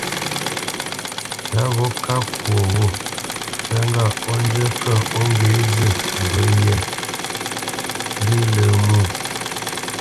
Tǎ gho ká kwo ghô, ntyá ŋgâʼ ó njə́ kə̂ ó ŋgwě zî ndǔ yē, ndé lə̄ mwô.